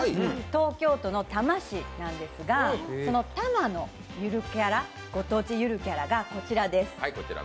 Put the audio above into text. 東京都の多摩市なんですが多摩のご当地ゆるキャラがこちらです。